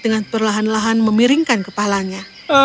dengan perlahan lahan memiringkan kepalanya